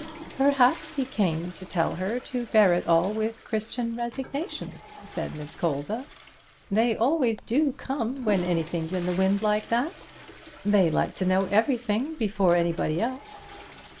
"Perhaps he came to tell her to bear it all with Christian resignation," said Miss Colza; "they always do come when anything's in the wind like that; they like to know everything before anybody else."